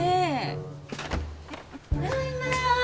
ただいまー。